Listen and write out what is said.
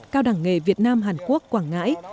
cao đẳng nghề việt nam hàn quốc quảng ngãi